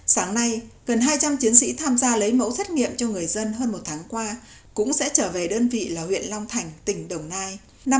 sáng nay gần hai trăm linh chiến sĩ tham gia lấy mẫu xét nghiệm cho người dân hơn một tháng qua cũng sẽ trở về đơn vị là huyện long thành tỉnh đồng nai